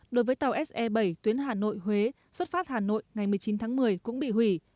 đối với tàu se bảy tuyến hà nội huế xuất phát hà nội ngày một mươi chín tháng một mươi cũng bị hủy